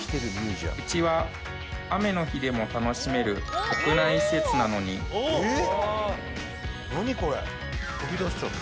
うちは雨の日でも楽しめる屋内施設なのにえっ